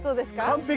完璧。